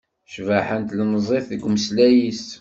Cbaḥa n tlemẓit deg umeslay-is